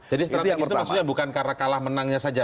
jadi strategis itu maksudnya bukan karena kalah menangnya saja